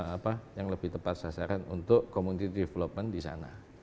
apa yang lebih tepat sasaran untuk community development disana